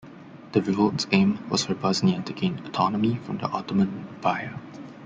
The revolt's aim was for Bosnia to gain autonomy from the Ottoman Empire.